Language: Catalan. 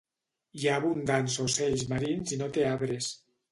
Hi ha abundants ocells marins i no té arbres.